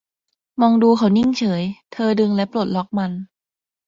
มองดูเขานิ่งเฉย เธอดึงและปลดล็อกมัน